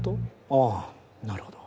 あぁなるほど。